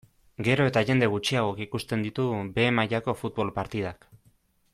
Gero eta jende gutxiagok ikusten ditu behe mailako futbol partidak.